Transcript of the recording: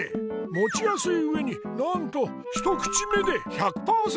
もちやすいうえになんと一口目で１００％